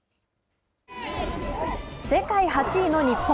世界８位の日本。